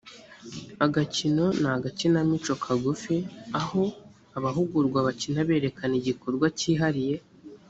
agakino ni agakinamico kagufi aho abahugurwa bakina berekana igikorwa cyihariye